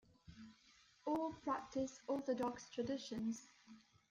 All practice Orthodox traditions.